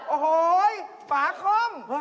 โอ้โหฝาคล้อง